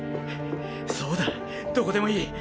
そうだどこでもいい。